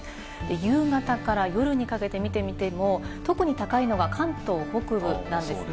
夕方から夜にかけて見てみても特に高いのが関東北部なんですね。